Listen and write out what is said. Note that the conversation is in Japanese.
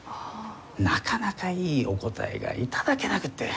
なかなかいいお答えが頂けなくって。